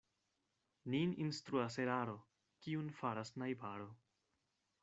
Nin instruas eraro, kiun faras najbaro.